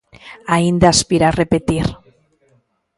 Aínda aspira a repetir.